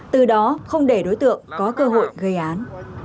từ đó không để đối tượng có cơ hội gây án